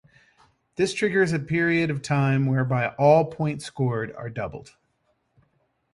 This triggers a period of time whereby all points scored are doubled.